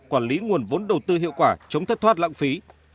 quản lý nguồn vốn đầu tư hiệu quả chống thất thoát lãng phí